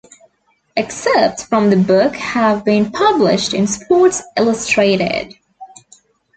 Excerpts from the book have been published in "Sports Illustrated".